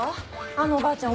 あのおばあちゃん